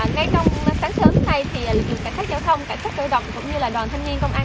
ngay trong sáng sớm nay lực lượng cảnh sát giao thông cảnh sát cơ độc cũng như đoàn thanh niên công an